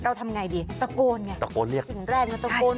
ทำไงดีตะโกนไงตะโกนเรียกสิ่งแรกมันตะโกน